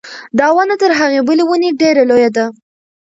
دا ونه تر هغې بلې ونې ډېره لویه ده.